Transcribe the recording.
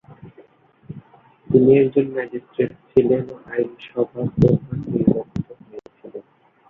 তিনি একজন ম্যাজিস্ট্রেট ছিলেন ও আইনসভার প্রধান নির্বাচিত হয়েছিলেন।